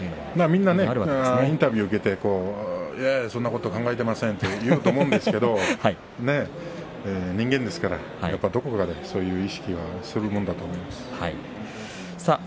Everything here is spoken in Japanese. みんなインタビューでそんなこと考えていませんと言うと思うんですけれども人間ですから、どこかでそういう意識はするものだと思います。